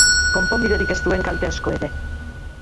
Konponbiderik ez duen kalte asko ere.